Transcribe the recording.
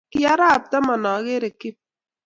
Ki arap taman kingageere Kip